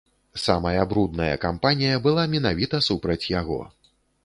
Самая брудная кампанія была менавіта супраць яго.